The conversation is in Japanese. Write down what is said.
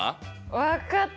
分かったよ。